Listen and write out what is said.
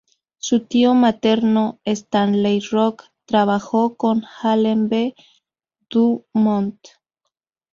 Su tío materno, Stanley Koch, trabajó con Allen B. DuMont.